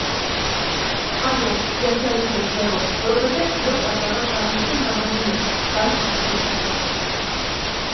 Այո՛, երջանիկ ես, Լևոն, որովհետև սիրո պատճառած դառնությունն ավելի է, քան քաղցրությունը: